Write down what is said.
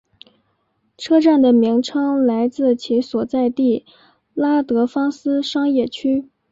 车站的名称来自其所在地拉德芳斯商业区。